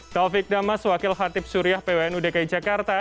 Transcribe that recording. taufik damas wakil hatip suriah pwn udki jakarta